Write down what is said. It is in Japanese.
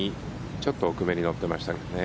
ちょっと奥めに乗っていましたけどね。